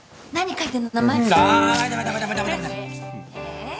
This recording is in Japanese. え！